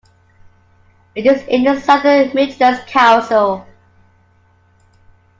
It is in the Southern Midlands Council.